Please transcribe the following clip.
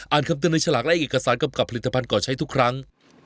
คำเตือนในฉลากและเอกสารกำกับผลิตภัณฑ์ก่อใช้ทุกครั้ง